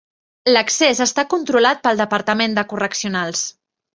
L'accés està controlat pel Departament de Correccionals.